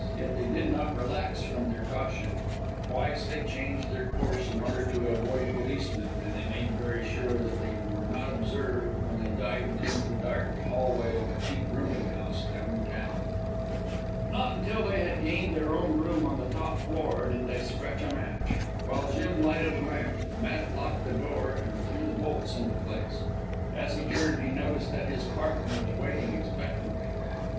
Yet they did not relax from their caution. Twice they changed their course in order to avoid policemen, and they made very sure that they were not observed when they dived into the dark hallway of a cheap rooming house down town. Not until they had gained their own room on the top floor, did they scratch a match. While Jim lighted a lamp, Matt locked the door and threw the bolts into place. As he turned, he noticed that his partner was waiting expectantly.